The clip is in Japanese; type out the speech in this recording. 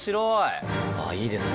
いいですね。